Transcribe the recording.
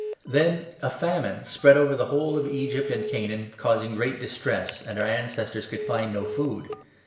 Then a famine spread over the whole n of Egypt and Canaan, causing great distress, and our ancestors could find no food.